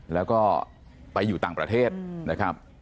แล้วก็ไปอยู่ต่างประเทศนะครับ